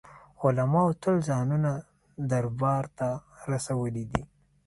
علماوو تل ځانونه دربار ته رسولي دي.